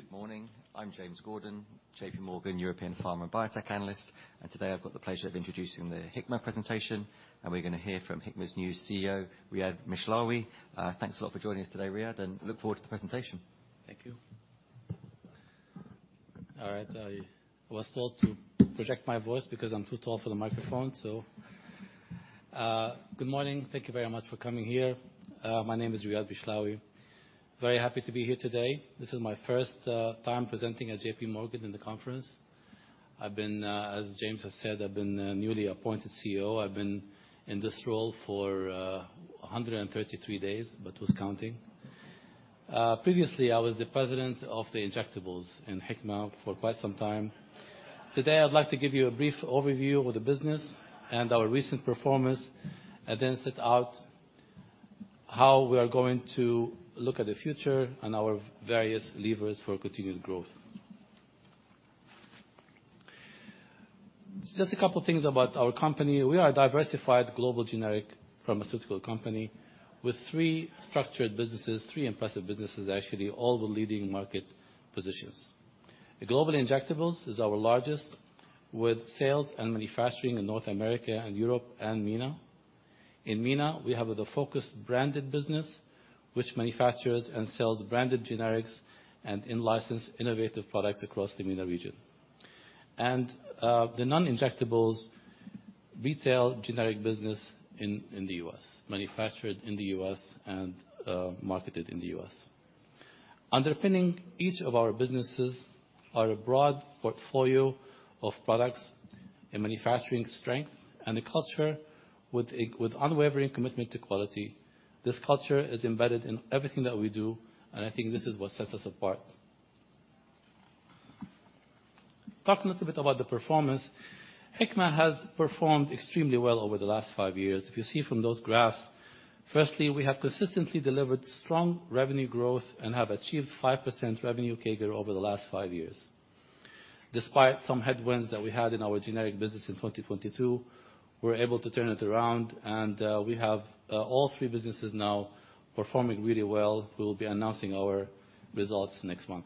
Good morning. I'm James Gordon, JPMorgan, European Pharma and Biotech analyst, and today I've got the pleasure of introducing the Hikma presentation, and we're gonna hear from Hikma's new CEO, Riad Mishlawi. Thanks a lot for joining us today, Riad, and look forward to the presentation. Thank you. All right, I was told to project my voice because I'm too tall for the microphone. So, good morning. Thank you very much for coming here. My name is Riad Mishlawi. Very happy to be here today. This is my first time presenting at JPMorgan in the conference. I've been, as James has said, I've been, newly appointed CEO. I've been in this role for 133 days, but who's counting? Previously, I was the president of the injectables in Hikma for quite some time. Today, I'd like to give you a brief overview of the business and our recent performance, and then set out how we are going to look at the future and our various levers for continued growth. Just a couple things about our company. We are a diversified global generic pharmaceutical company with three structured businesses, three impressive businesses, actually, all with leading market positions. The Global Injectables is our largest, with sales and manufacturing in North America and Europe and MENA. In MENA, we have the focused branded business, which manufactures and sells branded generics and in-licensed innovative products across the MENA region. And, the Non-Injectables retail generic business in, in the U.S., manufactured in the US and, marketed in the U.S. Underpinning each of our businesses are a broad portfolio of products and manufacturing strength, and a culture with a, with unwavering commitment to quality. This culture is embedded in everything that we do, and I think this is what sets us apart. Talk a little bit about the performance. Hikma has performed extremely well over the last five years. If you see from those graphs, firstly, we have consistently delivered strong revenue growth and have achieved 5% revenue CAGR over the last five years. Despite some headwinds that we had in our generic business in 2022, we were able to turn it around, and we have all three businesses now performing really well. We will be announcing our results next month.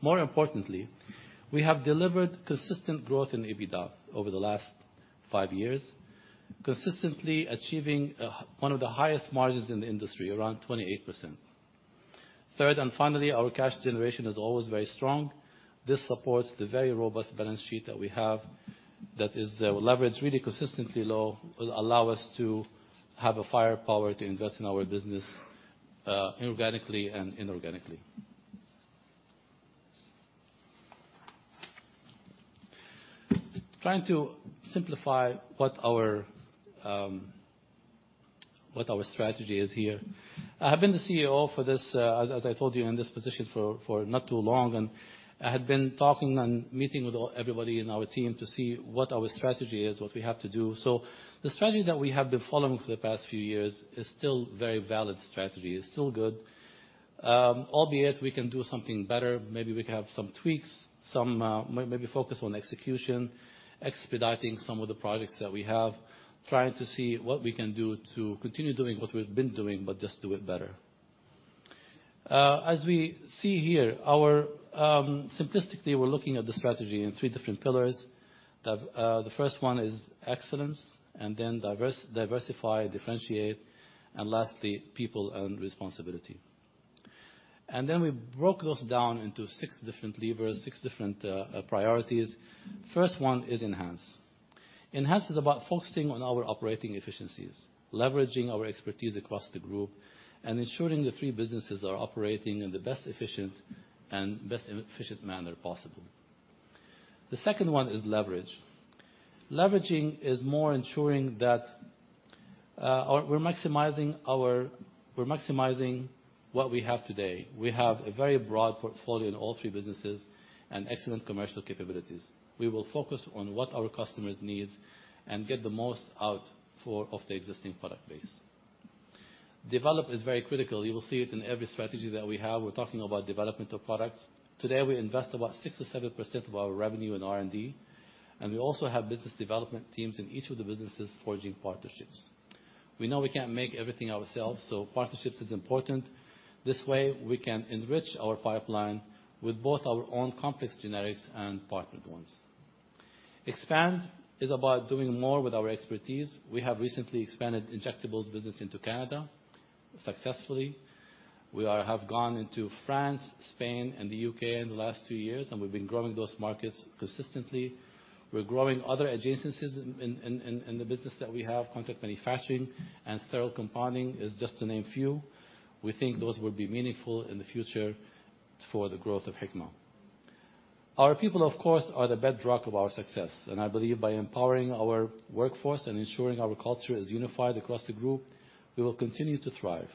More importantly, we have delivered consistent growth in EBITDA over the last five years, consistently achieving one of the highest margins in the industry, around 28%. Third, and finally, our cash generation is always very strong. This supports the very robust balance sheet that we have, that is, leverage really consistently low, will allow us to have a firepower to invest in our business, organically and inorganically. Trying to simplify what our, what our strategy is here. I have been the CEO for this, as I told you, in this position for not too long, and I had been talking and meeting with everybody in our team to see what our strategy is, what we have to do. So the strategy that we have been following for the past few years is still very valid strategy, is still good. Albeit we can do something better. Maybe we can have some tweaks, maybe focus on execution, expediting some of the projects that we have, trying to see what we can do to continue doing what we've been doing, but just do it better. As we see here, our... Simplistically, we're looking at the strategy in three different pillars. The first one is excellence, and then diversify, differentiate, and lastly, people and responsibility. Then we broke those down into six different levers, six different priorities. First one is enhance. Enhance is about focusing on our operating efficiencies, leveraging our expertise across the group, and ensuring the three businesses are operating in the best efficient and best efficient manner possible. The second one is leverage. Leveraging is more ensuring that we're maximizing what we have today. We have a very broad portfolio in all three businesses and excellent commercial capabilities. We will focus on what our customers needs and get the most out of the existing product base. Develop is very critical. You will see it in every strategy that we have. We're talking about development of products. Today, we invest about 6%-7% of our revenue in R&D, and we also have business development teams in each of the businesses forging partnerships. We know we can't make everything ourselves, so partnerships is important. This way, we can enrich our pipeline with both our own complex generics and partnered ones. Expand is about doing more with our expertise. We have recently expanded injectables business into Canada successfully. We have gone into France, Spain, and the U.K. in the last two years, and we've been growing those markets consistently. We're growing other adjacencies in the business that we have. Contract manufacturing and sterile compounding is just to name a few. We think those will be meaningful in the future for the growth of Hikma. Our people, of course, are the bedrock of our success, and I believe by empowering our workforce and ensuring our culture is unified across the group, we will continue to thrive.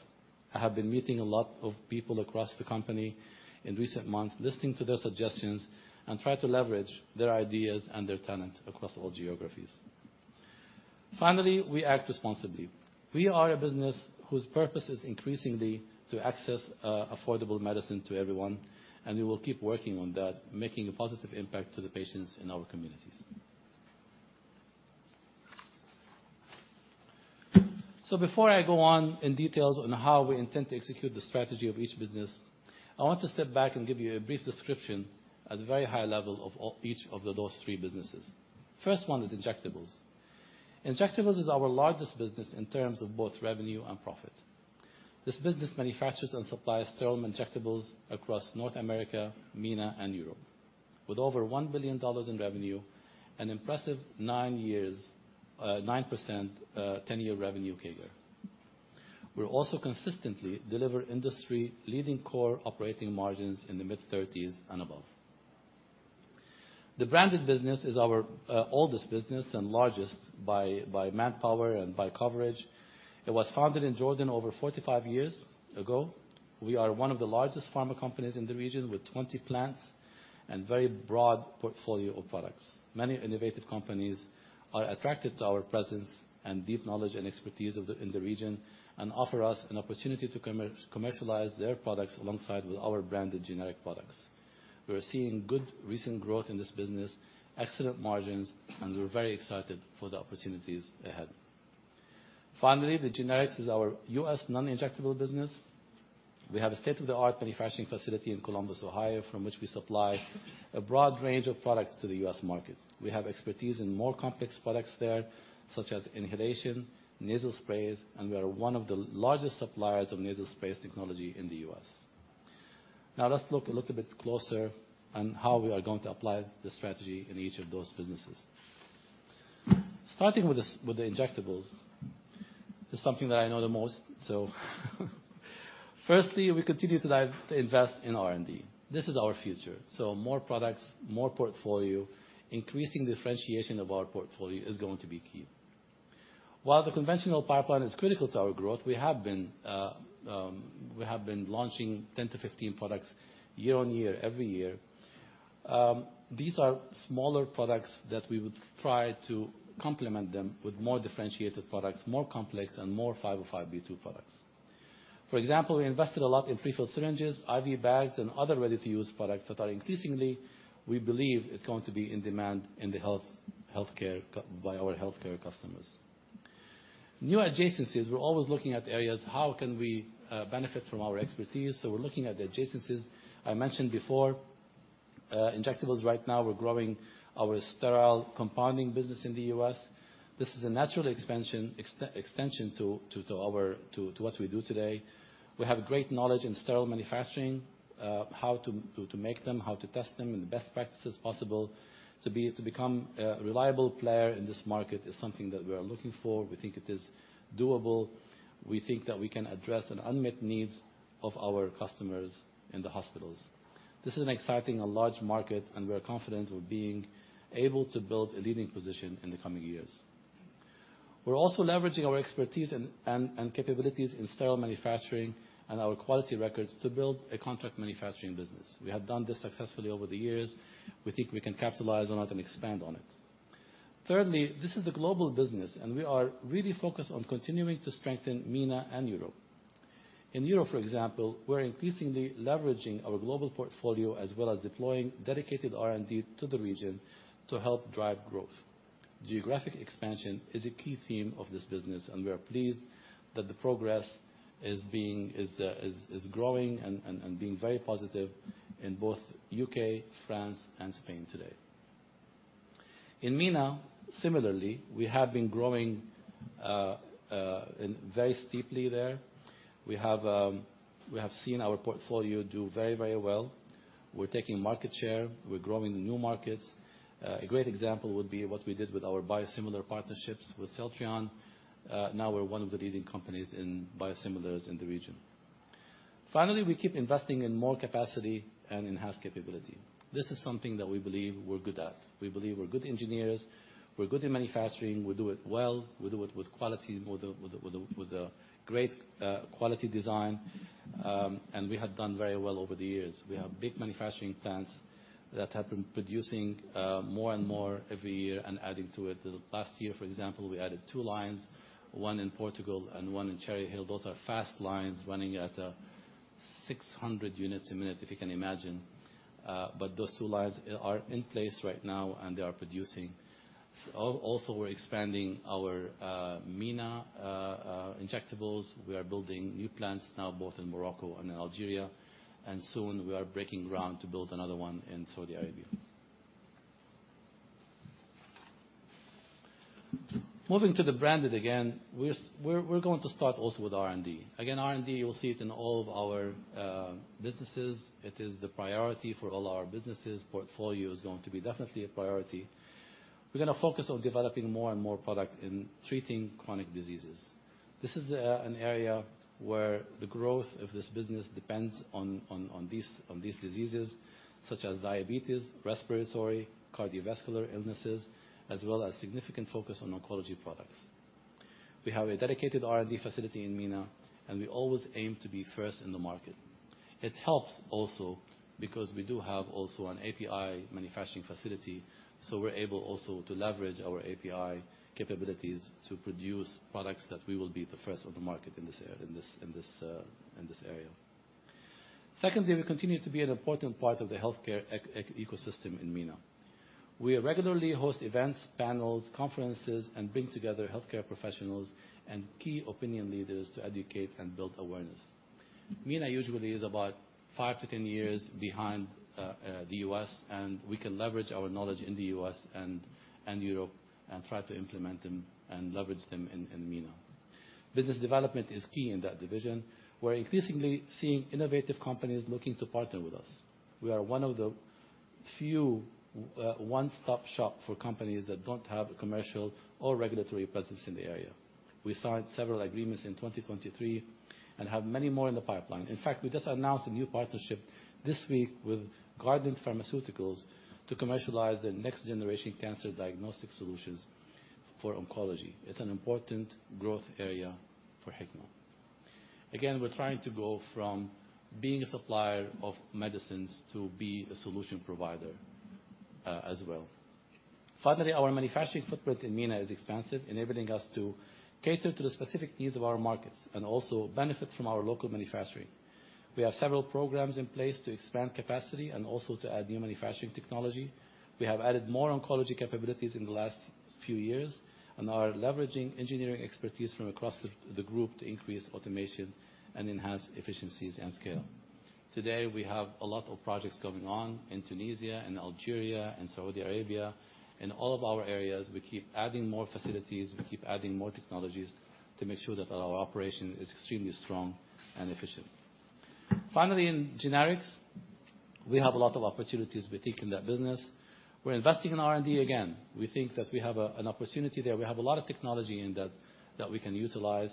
I have been meeting a lot of people across the company in recent months, listening to their suggestions, and try to leverage their ideas and their talent across all geographies. Finally, we act responsibly. We are a business whose purpose is increasingly to access, affordable medicine to everyone, and we will keep working on that, making a positive impact to the patients in our communities... So before I go on in details on how we intend to execute the strategy of each business, I want to step back and give you a brief description at a very high level of each of those three businesses. First one is injectables. Injectables is our largest business in terms of both revenue and profit. This business manufactures and supplies sterile injectables across North America, MENA, and Europe, with over $1 billion in revenue, an impressive nine years, 9%, 10-year revenue CAGR. We're also consistently deliver industry-leading core operating margins in the mid-30s and above. The branded business is our oldest business and largest by manpower and by coverage. It was founded in Jordan over 45 years ago. We are one of the largest pharma companies in the region, with 20 plants and very broad portfolio of products. Many innovative companies are attracted to our presence and deep knowledge and expertise in the region, and offer us an opportunity to commercialize their products alongside with our branded generic products. We are seeing good recent growth in this business, excellent margins, and we're very excited for the opportunities ahead. Finally, the generics is our U.S. non-injectable business. We have a state-of-the-art manufacturing facility in Columbus, Ohio, from which we supply a broad range of products to the US market. We have expertise in more complex products there, such as inhalation, nasal sprays, and we are one of the largest suppliers of nasal sprays technology in the U.S. Now, let's look a little bit closer on how we are going to apply the strategy in each of those businesses. Starting with this, with the injectables, is something that I know the most, so, firstly, we continue to invest in R&D. This is our future, so more products, more portfolio, increasing differentiation of our portfolio is going to be key. While the conventional pipeline is critical to our growth, we have been launching 10-15 products year-on-year, every year. These are smaller products that we would try to complement them with more differentiated products, more complex, and more 505(b)(2) products. For example, we invested a lot in prefilled syringes, IV bags, and other ready-to-use products that are increasingly, we believe, is going to be in demand in the healthcare, by our healthcare customers. New adjacencies, we're always looking at areas, how can we benefit from our expertise? So we're looking at the adjacencies. I mentioned before, injectables. Right now, we're growing our sterile compounding business in the U.S. This is a natural expansion, extension to what we do today. We have great knowledge in sterile manufacturing, how to make them, how to test them, and the best practices possible. To become a reliable player in this market is something that we are looking for. We think it is doable. We think that we can address an unmet needs of our customers in the hospitals. This is an exciting, large market, and we're confident of being able to build a leading position in the coming years. We're also leveraging our expertise and capabilities in sterile manufacturing and our quality records to build a contract manufacturing business. We have done this successfully over the years. We think we can capitalize on it and expand on it. Thirdly, this is a global business, and we are really focused on continuing to strengthen MENA and Europe. In Europe, for example, we're increasingly leveraging our global portfolio, as well as deploying dedicated R&D to the region to help drive growth. Geographic expansion is a key theme of this business, and we are pleased that the progress is growing and being very positive in both U.K., France, and Spain today. In MENA, similarly, we have been growing very steeply there. We have seen our portfolio do very, very well. We're taking market share, we're growing in new markets. A great example would be what we did with our biosimilar partnerships with Celltrion. Now we're one of the leading companies in biosimilars in the region. Finally, we keep investing in more capacity and in-house capability. This is something that we believe we're good at. We believe we're good engineers, we're good in manufacturing, we do it well, we do it with quality, with a great quality design, and we have done very well over the years. We have big manufacturing plants that have been producing more and more every year and adding to it. Last year, for example, we added two lines, one in Portugal and one in Cherry Hill. Those are fast lines running at 600 units a minute, if you can imagine. But those two lines are in place right now, and they are producing. Also, we're expanding our MENA injectables. We are building new plants now, both in Morocco and in Algeria, and soon we are breaking ground to build another one in Saudi Arabia. Moving to the branded again, we're going to start also with R&D. Again, R&D, you'll see it in all of our businesses. It is the priority for all our businesses. Portfolio is going to be definitely a priority. We're gonna focus on developing more and more product in treating chronic diseases. This is an area where the growth of this business depends on these diseases, such as diabetes, respiratory, cardiovascular illnesses, as well as significant focus on oncology products. We have a dedicated R&D facility in MENA, and we always aim to be first in the market. It helps also because we do have also an API manufacturing facility, so we're able also to leverage our API capabilities to produce products that we will be the first on the market in this area. Secondly, we continue to be an important part of the healthcare ecosystem in MENA. We regularly host events, panels, conferences, and bring together healthcare professionals and key opinion leaders to educate and build awareness. MENA usually is about 5-10 years behind the U.S., and we can leverage our knowledge in the U.S. and Europe, and try to implement them and leverage them in MENA. Business development is key in that division. We're increasingly seeing innovative companies looking to partner with us. We are one of the few one-stop shop for companies that don't have a commercial or regulatory presence in the area. We signed several agreements in 2023, and have many more in the pipeline. In fact, we just announced a new partnership this week with Guardant Health, to commercialize the next generation cancer diagnostic solutions for oncology. It's an important growth area for Hikma. Again, we're trying to go from being a supplier of medicines to being a solution provider, as well. Finally, our manufacturing footprint in MENA is expansive, enabling us to cater to the specific needs of our markets and also benefit from our local manufacturing. We have several programs in place to expand capacity and also to add new manufacturing technology. We have added more oncology capabilities in the last few years, and are leveraging engineering expertise from across the group to increase automation and enhance efficiencies and scale. Today, we have a lot of projects going on in Tunisia and Algeria and Saudi Arabia. In all of our areas, we keep adding more facilities, we keep adding more technologies to make sure that our operation is extremely strong and efficient. Finally, in generics, we have a lot of opportunities, we think, in that business. We're investing in R&D again. We think that we have an opportunity there. We have a lot of technology in that that we can utilize.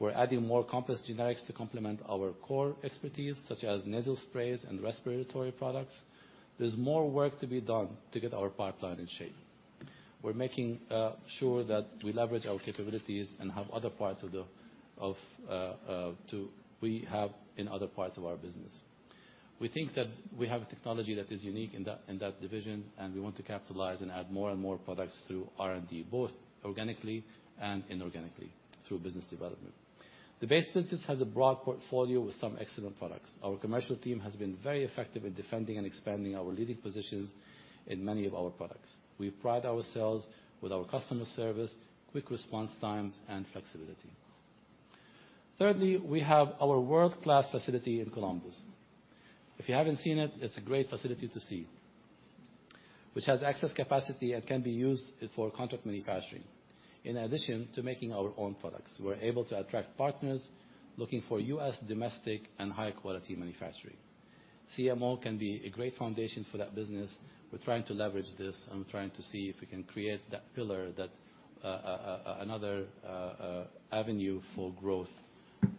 We're adding more complex generics to complement our core expertise, such as nasal sprays and respiratory products. There's more work to be done to get our pipeline in shape. We're making sure that we leverage our capabilities in other parts of our business. We think that we have a technology that is unique in that division, and we want to capitalize and add more and more products through R&D, both organically and inorganically, through business development. The base business has a broad portfolio with some excellent products. Our commercial team has been very effective in defending and expanding our leading positions in many of our products. We pride ourselves with our customer service, quick response times, and flexibility. Thirdly, we have our world-class facility in Columbus. If you haven't seen it, it's a great facility to see, which has excess capacity and can be used for contract manufacturing. In addition to making our own products, we're able to attract partners looking for US domestic and high-quality manufacturing. CMO can be a great foundation for that business. We're trying to leverage this and trying to see if we can create that pillar, that another avenue for growth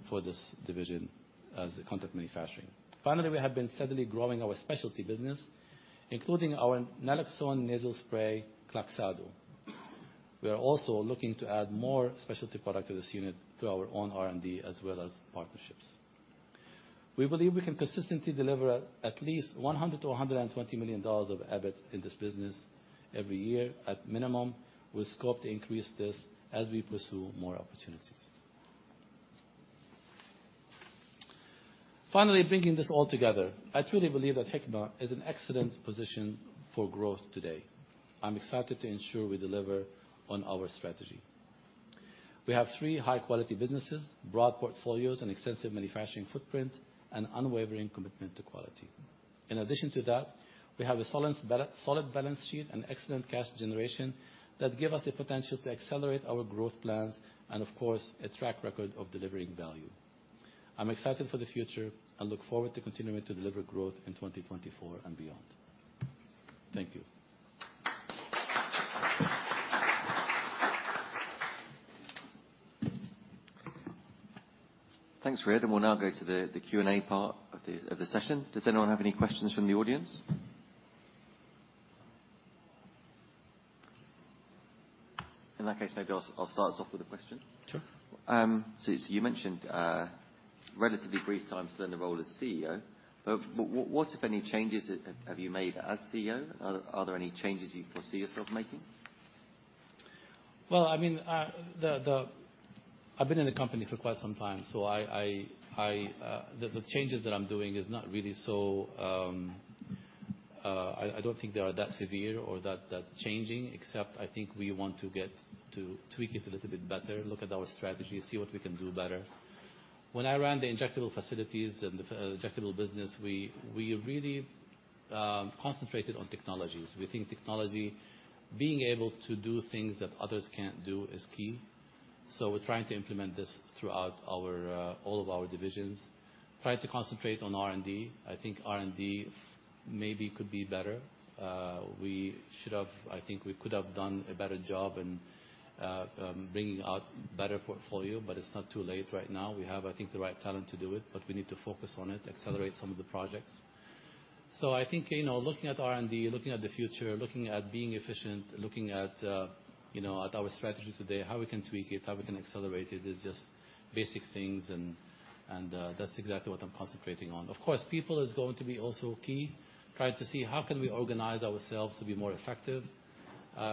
for this division as a contract manufacturing. Finally, we have been steadily growing our specialty business, including our naloxone nasal spray, Kloxxado. We are also looking to add more specialty product to this unit, through our own R&D as well as partnerships. We believe we can consistently deliver at least $100 million-$120 million of EBIT in this business every year, at minimum, with scope to increase this as we pursue more opportunities. Finally, bringing this all together, I truly believe that Hikma is in an excellent position for growth today. I'm excited to ensure we deliver on our strategy. We have three high-quality businesses, broad portfolios, an extensive manufacturing footprint, and unwavering commitment to quality. In addition to that, we have a solid balance sheet and excellent cash generation, that give us the potential to accelerate our growth plans and, of course, a track record of delivering value. I'm excited for the future and look forward to continuing to deliver growth in 2024 and beyond. Thank you. Thanks, Riad, and we'll now go to the Q&A part of the session. Does anyone have any questions from the audience? In that case, maybe I'll start us off with a question. Sure. So you mentioned relatively brief time spent in the role as CEO, what, if any, changes have you made as CEO? Are there any changes you foresee yourself making? Well, I mean, the... I've been in the company for quite some time, so I, the changes that I'm doing is not really so, I don't think they are that severe or that changing, except I think we want to get to tweak it a little bit better, look at our strategy, see what we can do better. When I ran the injectable facilities and the injectable business, we really concentrated on technologies. We think technology, being able to do things that others can't do, is key. So we're trying to implement this throughout our all of our divisions. Trying to concentrate on R&D. I think R&D maybe could be better. We should have—I think we could have done a better job in bringing out better portfolio, but it's not too late right now. We have, I think, the right talent to do it, but we need to focus on it, accelerate some of the projects. So I think, you know, looking at R&D, looking at the future, looking at being efficient, looking at, you know, at our strategy today, how we can tweak it, how we can accelerate it, is just basic things, and that's exactly what I'm concentrating on. Of course, people is going to be also key. Trying to see how can we organize ourselves to be more effective?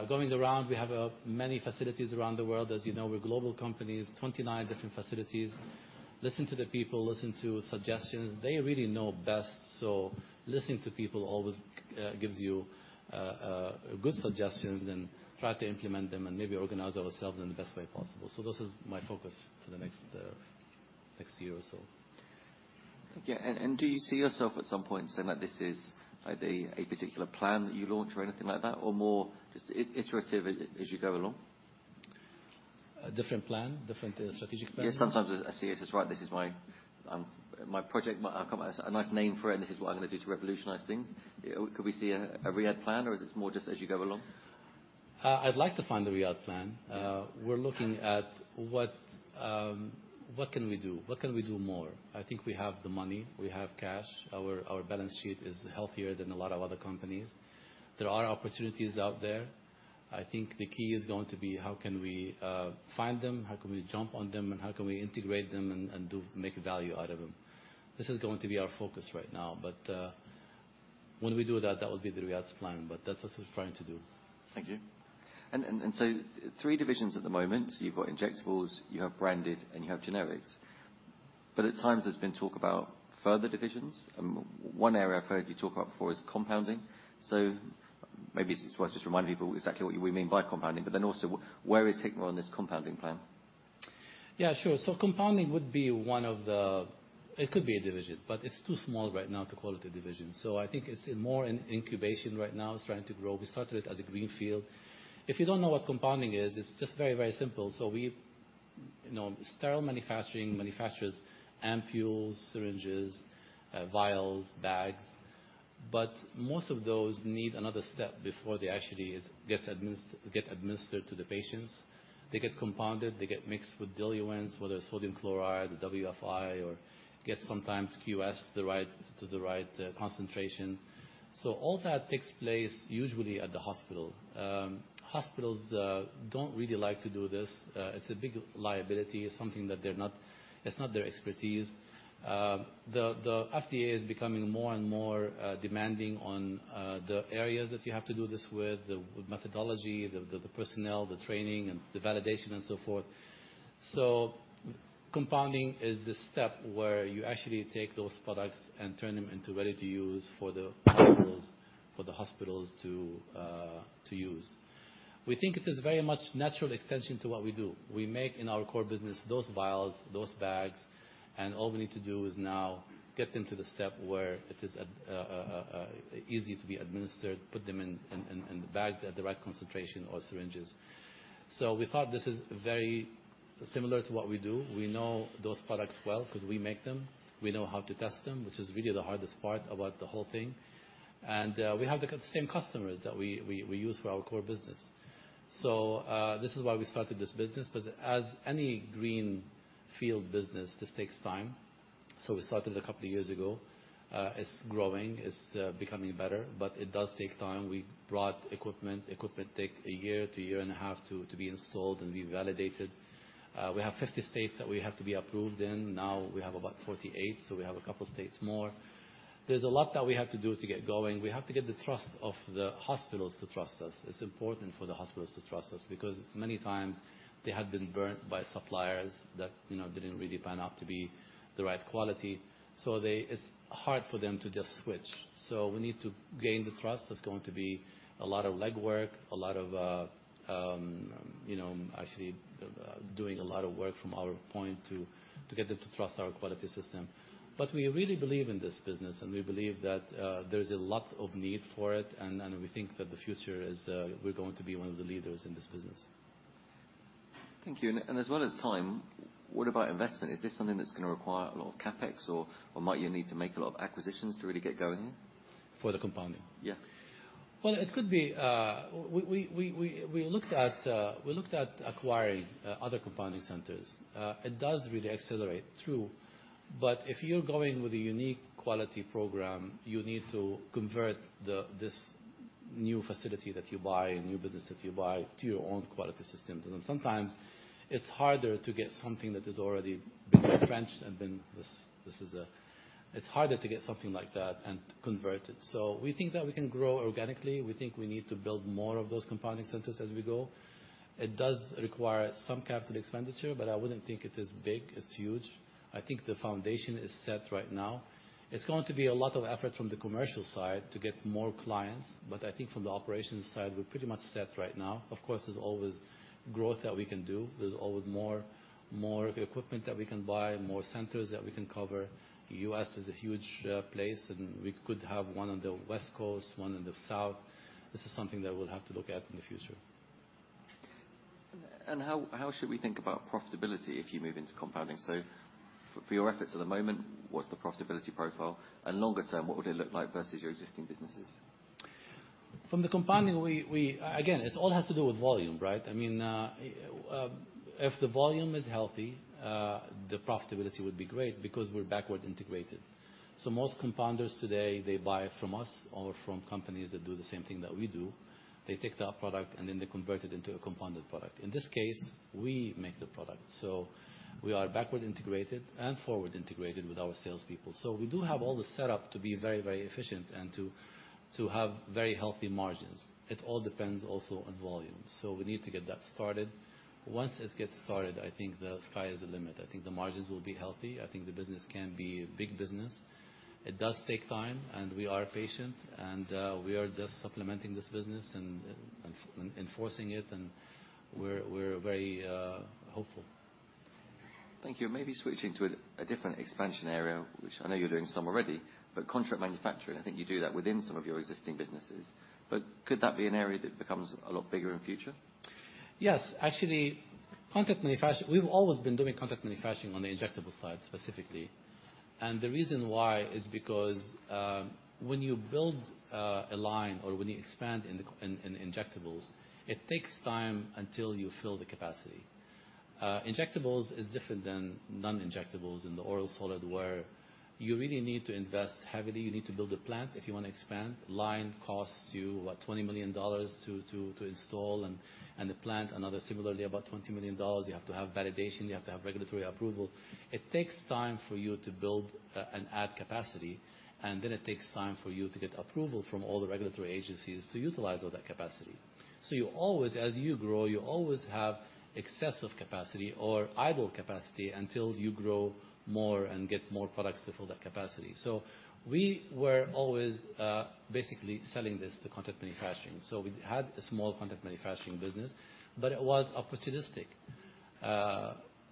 Going around, we have many facilities around the world. As you know, we're global companies, 29 different facilities. Listen to the people, listen to suggestions. They really know best, so listening to people always gives you good suggestions, and try to implement them, and maybe organize ourselves in the best way possible. So this is my focus for the next year or so. Yeah, and do you see yourself at some point saying that this is like a particular plan that you launch or anything like that, or more just it's iterative as you go along? A different plan, different, strategic plan? Yeah, sometimes I see it as, right, this is my project, come up a nice name for it, and this is what I'm gonna do to revolutionize things. Could we see a Riad plan, or is this more just as you go along? I'd like to find a Riad's plan. We're looking at what, what can we do? What can we do more? I think we have the money, we have cash. Our balance sheet is healthier than a lot of other companies. There are opportunities out there. I think the key is going to be: how can we find them, how can we jump on them, and how can we integrate them and do make value out of them? This is going to be our focus right now, but when we do that, that would be the Riad's plan, but that's what we're trying to do. Thank you. So three divisions at the moment. You've got injectables, you have branded, and you have generics. But at times there's been talk about further divisions. One area I've heard you talk about before is compounding. So maybe it's worth just reminding people exactly what we mean by compounding, but then also, where is Hikma on this compounding plan? Yeah, sure. So compounding would be one of the... It could be a division, but it's too small right now to call it a division. So I think it's in more in incubation right now, it's trying to grow. We started it as a greenfield. If you don't know what compounding is, it's just very, very simple. So we, you know, sterile manufacturing manufactures ampules, syringes, vials, bags, but most of those need another step before they actually get administered to the patients. They get compounded, they get mixed with diluents, whether it's sodium chloride, WFI, or gets sometimes QS, the right, to the right, concentration. So all that takes place usually at the hospital. Hospitals don't really like to do this. It's a big liability. It's something that they're not—it's not their expertise. The FDA is becoming more and more demanding on the areas that you have to do this with, the personnel, the training, and the validation, and so forth. So compounding is the step where you actually take those products and turn them into ready to use for the hospitals, for the hospitals to use. We think it is very much natural extension to what we do. We make in our core business, those vials, those bags, and all we need to do is now get them to the step where it is easy to be administered, put them in the bags at the right concentration or syringes. So we thought this is very similar to what we do. We know those products well because we make them. We know how to test them, which is really the hardest part about the whole thing. And we have the same customers that we use for our core business. So this is why we started this business, because as any greenfield business, this takes time. So we started a couple of years ago. It's growing, it's becoming better, but it does take time. We brought equipment. Equipment take one year to 1.5 years to be installed and be validated. We have 50 states that we have to be approved in. Now we have about 48, so we have a couple of states more. There's a lot that we have to do to get going. We have to get the trust of the hospitals to trust us. It's important for the hospitals to trust us, because many times they have been burnt by suppliers that, you know, didn't really pan out to be the right quality. So they. It's hard for them to just switch. So we need to gain the trust. It's going to be a lot of legwork, a lot of, you know, actually, doing a lot of work from our point to get them to trust our quality system. But we really believe in this business, and we believe that, there's a lot of need for it, and we think that the future is, we're going to be one of the leaders in this business. Thank you. As well as time, what about investment? Is this something that's gonna require a lot of CapEx, or might you need to make a lot of acquisitions to really get going? For the compounding? Yeah. Well, it could be. We looked at acquiring other compounding centers. It does really accelerate through, but if you're going with a unique quality program, you need to convert this new facility that you buy, a new business that you buy, to your own quality systems. And then sometimes it's harder to get something that is already been entrenched. It's harder to get something like that and convert it. So we think that we can grow organically. We think we need to build more of those compounding centers as we go. It does require some capital expenditure, but I wouldn't think it is big, it's huge. I think the foundation is set right now. It's going to be a lot of effort from the commercial side to get more clients, but I think from the operations side, we're pretty much set right now. Of course, there's always growth that we can do. There's always more, more equipment that we can buy, more centers that we can cover. The U.S. is a huge place, and we could have one on the West Coast, one in the South. This is something that we'll have to look at in the future. How, how should we think about profitability if you move into compounding? For your efforts at the moment, what's the profitability profile? Longer term, what would it look like versus your existing businesses? From the compounding, we again. It all has to do with volume, right? I mean, if the volume is healthy, the profitability would be great because we're backward integrated. So most compounders today, they buy from us or from companies that do the same thing that we do. They take that product, and then they convert it into a compounded product. In this case, we make the product. So we are backward integrated and forward integrated with our salespeople. So we do have all the setup to be very, very efficient and to have very healthy margins. It all depends also on volume, so we need to get that started. Once it gets started, I think the sky is the limit. I think the margins will be healthy. I think the business can be big business. It does take time, and we are patient, and we are just supplementing this business and enforcing it, and we're very hopeful. Thank you. Maybe switching to a different expansion area, which I know you're doing some already, but contract manufacturing, I think you do that within some of your existing businesses. But could that be an area that becomes a lot bigger in future? Yes. Actually, contract manufacturing—we've always been doing contract manufacturing on the injectable side specifically. And the reason why is because when you build a line or when you expand in the injectables, it takes time until you fill the capacity. Injectables is different than non-injectables. In the oral solid, where you really need to invest heavily, you need to build a plant if you wanna expand. Line costs you, what, $20 million to install, and the plant, another similarly about $20 million. You have to have validation. You have to have regulatory approval. It takes time for you to build and add capacity, and then it takes time for you to get approval from all the regulatory agencies to utilize all that capacity. So you always... As you grow, you always have excessive capacity or idle capacity until you grow more and get more products to fill that capacity. So we were always, basically selling this to contract manufacturing. So we had a small contract manufacturing business, but it was opportunistic.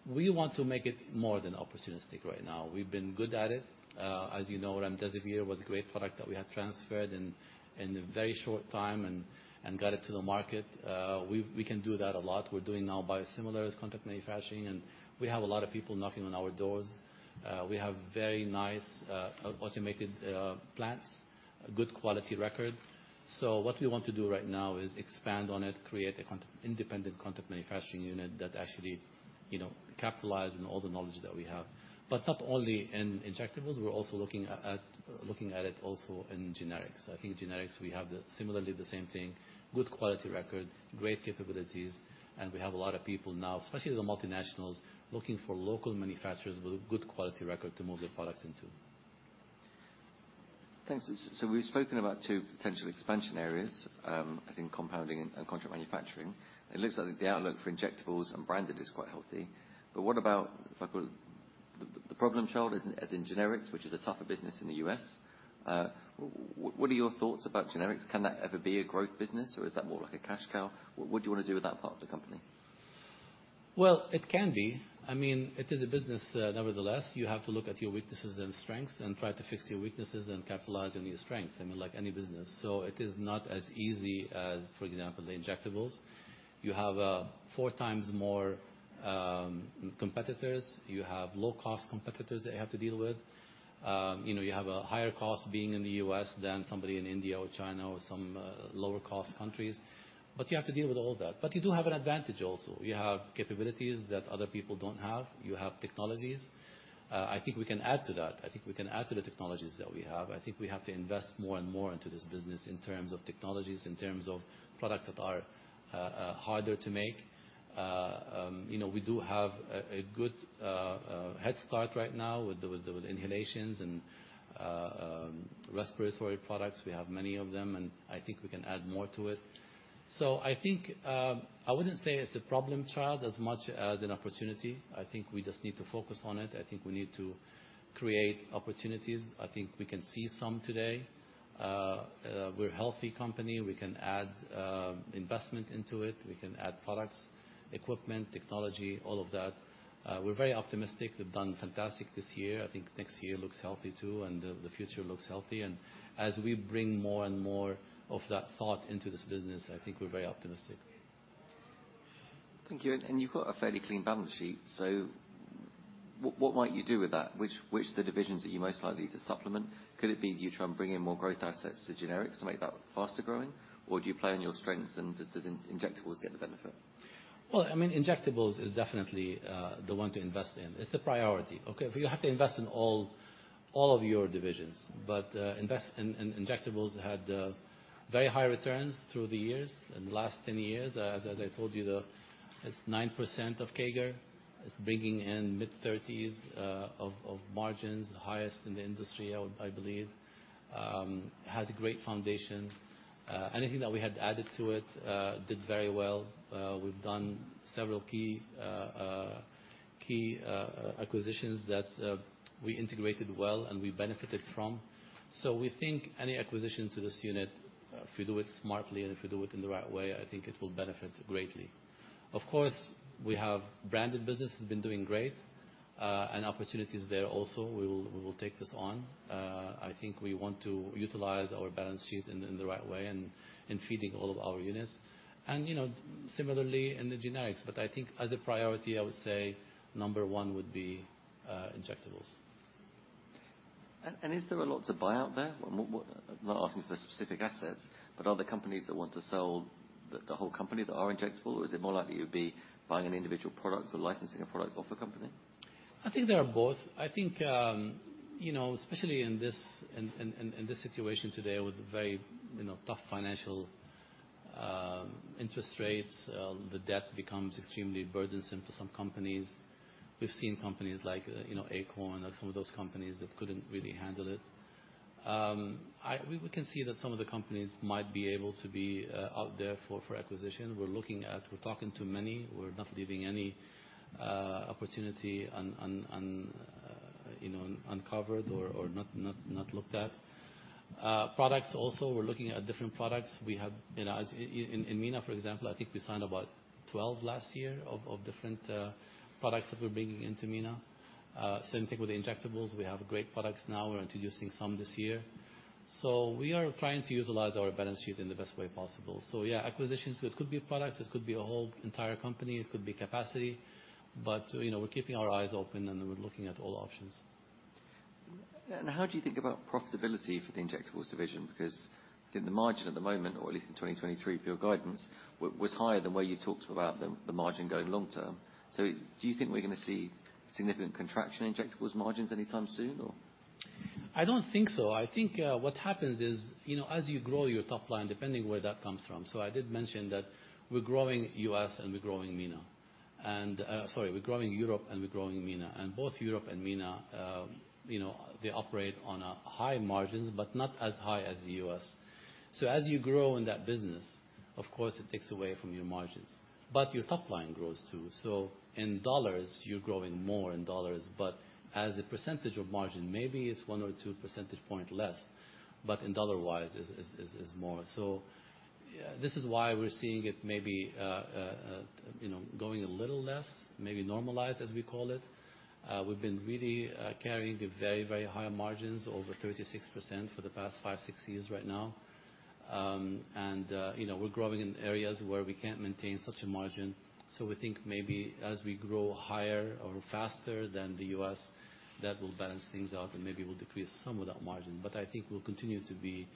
We want to make it more than opportunistic right now. We've been good at it. As you know, remdesivir was a great product that we had transferred in, in a very short time and, and got it to the market. We, we can do that a lot. We're doing now biosimilars, contract manufacturing, and we have a lot of people knocking on our doors. We have very nice, automated, plants, a good quality record. So what we want to do right now is expand on it, create a con... independent contract manufacturing unit that actually, you know, capitalize on all the knowledge that we have. But not only in injectables, we're also looking at it also in generics. I think generics, we have the similarly, the same thing, good quality record, great capabilities, and we have a lot of people now, especially the multinationals, looking for local manufacturers with a good quality record to move their products into. Thanks. So we've spoken about two potential expansion areas, as in compounding and contract manufacturing. It looks like the outlook for injectables and branded is quite healthy. But what about, if I call it, the problem child, as in generics, which is a tougher business in the U.S.? What are your thoughts about generics? Can that ever be a growth business, or is that more like a cash cow? What do you want to do with that part of the company? Well, it can be. I mean, it is a business, nevertheless, you have to look at your weaknesses and strengths and try to fix your weaknesses and capitalize on your strengths, I mean, like any business. So it is not as easy as, for example, the injectables. You have four times more competitors. You have low-cost competitors that you have to deal with. You know, you have a higher cost being in the U.S. than somebody in India or China or some lower-cost countries, but you have to deal with all that. But you do have an advantage also. You have capabilities that other people don't have. You have technologies. I think we can add to that. I think we can add to the technologies that we have. I think we have to invest more and more into this business in terms of technologies, in terms of products that are harder to make. You know, we do have a good head start right now with the inhalations and respiratory products. We have many of them, and I think we can add more to it. So I think I wouldn't say it's a problem child as much as an opportunity. I think we just need to focus on it. I think we need to create opportunities. I think we can see some today. We're a healthy company. We can add investment into it. We can add products, equipment, technology, all of that. We're very optimistic. We've done fantastic this year. I think next year looks healthy, too, and the future looks healthy. As we bring more and more of that thought into this business, I think we're very optimistic. Thank you. And you've got a fairly clean balance sheet, so what might you do with that? Which of the divisions are you most likely to supplement? Could it be you try and bring in more growth assets to generics to make that faster growing? Or do you play on your strengths and does injectables get the benefit? Well, I mean, injectables is definitely the one to invest in. It's the priority, okay? But you have to invest in all of your divisions. But invest in injectables had very high returns through the years. In the last 10 years, as I told you, it's 9% CAGR. It's bringing in mid-30s of margins, the highest in the industry, I believe. Has a great foundation. Anything that we had added to it did very well. We've done several key acquisitions that we integrated well, and we benefited from. So we think any acquisition to this unit, if you do it smartly, and if you do it in the right way, I think it will benefit greatly. Of course, we have branded business that's been doing great, and opportunities there also. We will, we will take this on. I think we want to utilize our balance sheet in, in the right way and in feeding all of our units, and, you know, similarly in the generics. But I think as a priority, I would say number one would be, injectables. And is there a lot to buy out there? I'm not asking for specific assets, but are there companies that want to sell the whole company that are injectable, or is it more likely you'll be buying an individual product or licensing a product off a company? ... I think there are both. I think, you know, especially in this situation today, with the very, you know, tough financial interest rates, the debt becomes extremely burdensome to some companies. We've seen companies like, you know, Akorn and some of those companies that couldn't really handle it. We can see that some of the companies might be able to be out there for acquisition. We're looking at... We're talking to many. We're not leaving any opportunity uncovered or not looked at. Products also, we're looking at different products. We have, you know, as in MENA, for example, I think we signed about 12 last year of different products that we're bringing into MENA. Same thing with the injectables. We have great products now, we're introducing some this year. We are trying to utilize our balance sheet in the best way possible. Yeah, acquisitions, it could be products, it could be a whole entire company, it could be capacity. You know, we're keeping our eyes open and we're looking at all options. And how do you think about profitability for the injectables division? Because I think the margin at the moment, or at least in 2023 per your guidance, was higher than where you talked about the margin going long term. So do you think we're gonna see significant contraction in injectables margins anytime soon, or? I don't think so. I think, what happens is, you know, as you grow your top line, depending where that comes from, so I did mention that we're growing US and we're growing MENA. And, sorry, we're growing Europe and we're growing MENA. And both Europe and MENA, you know, they operate on a high margins, but not as high as the U.S. So as you grow in that business, of course, it takes away from your margins, but your top line grows, too. So in dollars, you're growing more in dollars, but as a percentage of margin, maybe it's one or two percentage point less, but in dollar-wise, is more. So, this is why we're seeing it maybe, you know, going a little less, maybe normalized, as we call it. We've been really carrying the very, very high margins over 36% for the past five-six years right now. And, you know, we're growing in areas where we can't maintain such a margin. So we think maybe as we grow higher or faster than the U.S., that will balance things out and maybe will decrease some of that margin. But I think we'll continue to be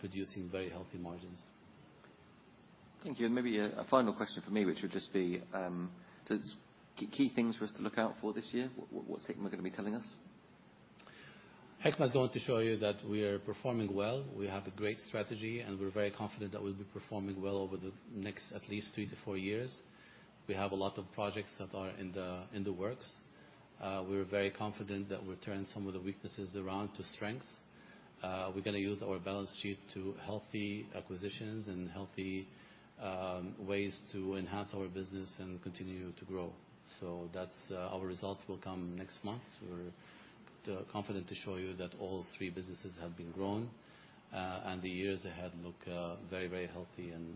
producing very healthy margins. Thank you. Maybe a final question from me, which would just be the key things for us to look out for this year, what segment are going to be telling us? Hikma is going to show you that we are performing well. We have a great strategy, and we're very confident that we'll be performing well over the next, at least three to four years. We have a lot of projects that are in the works. We're very confident that we'll turn some of the weaknesses around to strengths. We're gonna use our balance sheet to healthy acquisitions and healthy ways to enhance our business and continue to grow. So that's our results will come next month. We're confident to show you that all three businesses have been growing, and the years ahead look very, very healthy and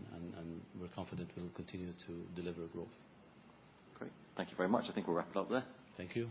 we're confident we'll continue to deliver growth. Great. Thank you very much. I think we'll wrap it up there. Thank you.